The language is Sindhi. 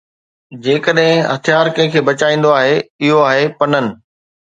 جيڪڏھن ھٿيار ڪنھن کي بچائيندو آھي، اھو آھي پنن